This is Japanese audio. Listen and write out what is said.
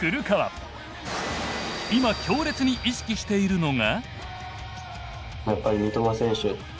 今強烈に意識しているのが。